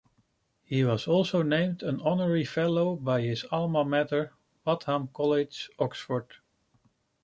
He was also named an honorary fellow by his alma mater, Wadham College, Oxford.